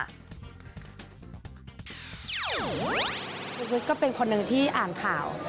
ชีวิตก็เป็นคนหนึ่งที่อ่านข่าว